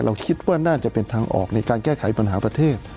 คิดว่าน่าจะเป็นทางออกในการแก้ไขปัญหาประเทศ